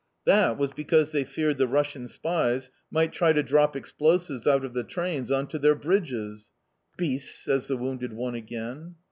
That was because they feared the Russian spies might try to drop explosives out of the trains on to their bridges!" "Beasts!" says the wounded one again.